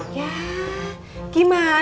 ya gimana sih